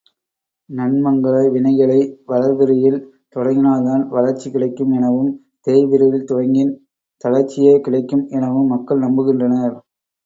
நன்மங்கல வினைகளை வளர்பிறையில் தொடங்கினால்தான் வளர்ச்சி கிடைக்கும் எனவும், தேய்பிறையில் தொடங்கின் தளர்ச்சியே கிடைக்கும் எனவும் மக்கள் நம்புகின்றனர்.